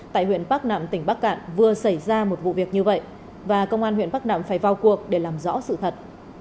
tại huyện bắc nạm tỉnh bắc cạn vừa xảy ra một vụ việc như vậy và công an huyện bắc nạm phải vào cuộc để làm rõ sự thật